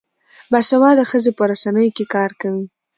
باسواده ښځې په رسنیو کې کار کوي.